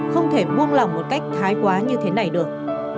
không thể buông lỏng một cách thái quá như thế này được